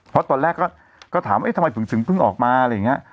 เพราะตอนแรกก็ถามว่าทำไมถึงเพิ่งออกมาอะไรอย่างนี้